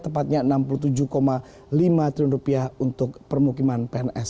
tepatnya rp enam puluh tujuh lima triliun untuk permukiman pns